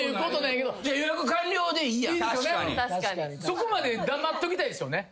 そこまでだまっときたいっすよね。